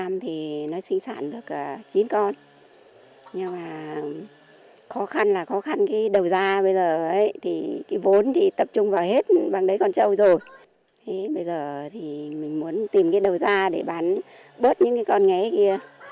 mình muốn tìm cái đầu ra để bán bớt những con nghế kia